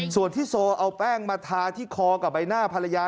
ส่วนที่โซเอาแป้งมาทาที่คอกับใบหน้าภรรยา